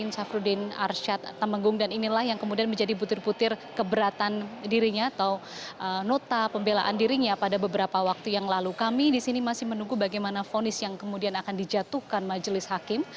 kewajiban pemegang nasional indonesia yang dimiliki pengusaha syamsul nursalim